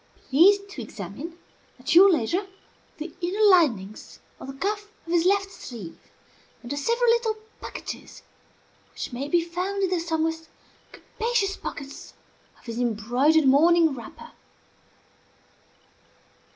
Please to examine, at your leisure, the inner linings of the cuff of his left sleeve, and the several little packages which may be found in the somewhat capacious pockets of his embroidered morning wrapper."